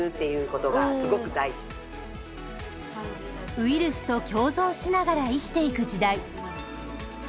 ウイルスと共存しながら生きていく時代。